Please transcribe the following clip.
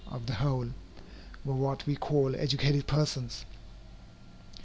of the whole_) were what we call educated persons.